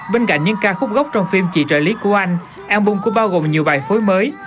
bên cạnh những ca khúc gốc trong phim chị trợ lý của anh albung cũng bao gồm nhiều bài phối mới